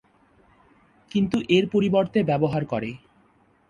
কিন্তু এর পরিবর্তে ব্যবহার করে।